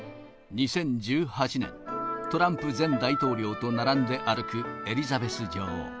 ２０１８年、トランプ前大統領と並んで歩くエリザベス女王。